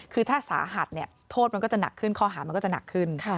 คือถ้าสาหัสโทษมันก็จะหนักขึ้นข้อหามันก็จะหนักขึ้น